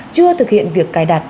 chưa thực hiện việc cài đặt